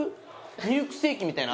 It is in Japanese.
ミルクセーキみたいな味。